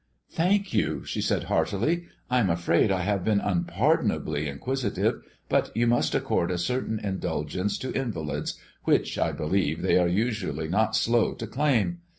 "Thank you," she said heartily. "I'm afraid I have been unpardonably inquisitive; but you must accord a certain indulgence to invalids, which, I believe, they are usually not slow to claim.